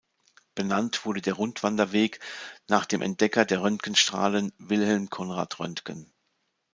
Benannt wurde der Rundwanderweg nach dem Entdecker der Röntgenstrahlen, Wilhelm Conrad Röntgen.